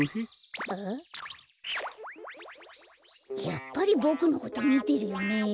やっぱりボクのことみてるよねえ？